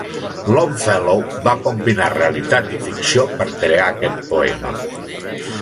Longfellow va combinar realitat i ficció per crear aquest poema.